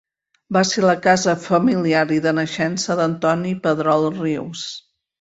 Va ser la casa familiar i de naixença d'Antoni Pedrol Rius.